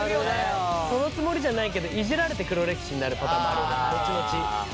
そのつもりじゃないけどいじられて黒歴史になるパターンもあるじゃん後々。